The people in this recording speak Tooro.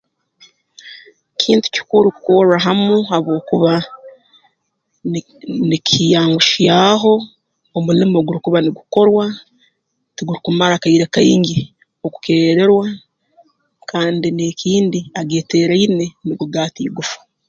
Kintu kikuru kukorra hamu habwokuba niki nikiyanguhyaho omulimo ogurukuba nugukorwa tugurukumara kaire kaingi okukeerererwa kandi n'ekindi ageeteeraine nugo gaata igufa